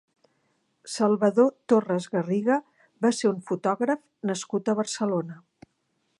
Salvador Torres Garriga va ser un fotògraf nascut a Barcelona.